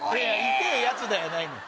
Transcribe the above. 痛えやつだやないねん